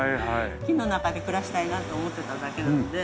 木の中で暮らしたいなと思ってただけなので。